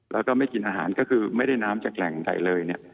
แล้วก็ไม่กินอาหารก็คือไม่ได้น้ำจากแหล่งใดเลยเนี่ย